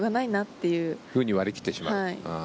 そういうふうに割り切ってしまう。